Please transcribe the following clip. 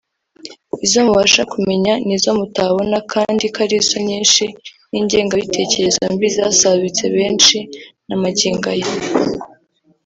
Izo mubasha kumenya n’izo mutabona kandi ko arizo nyinshi nk’ingengabitekerezo mbi zasabitse benshi na magingo aya